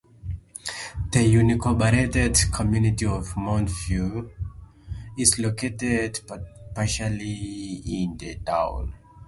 The unincorporated community of Mount View is located partially in the town.